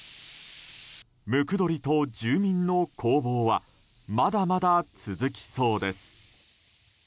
ムクドリと住民の攻防はまだまだ続きそうです。